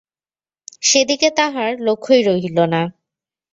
সেদিকে তাহার লক্ষ্যই রহিল না।